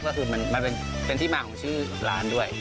ก็คือมันเป็นที่มาของชื่อร้านด้วย